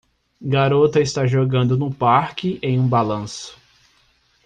Garota está jogando no parque em um balanço.